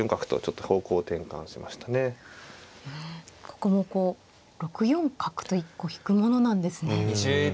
ここもこう６四角と引くものなんですね。